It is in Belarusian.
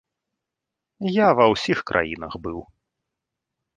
Я ва ўсіх краінах быў.